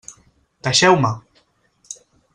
Deixeu-me!